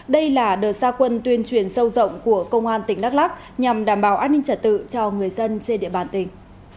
đây là đợt xa quân tuyên truyền sâu rộng của công an tỉnh đắk lắc nhằm đảm bảo an ninh trả tự cho người dân trên địa bàn tỉnh